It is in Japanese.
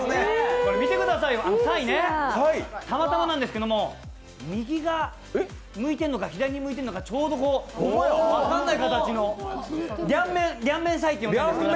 見てくださいよ、サイね、たまたまなんですけど、右側に向いているのか左側に向いているのかちょうど分かんない形の、リャンメンサイって呼んでるんですけどね！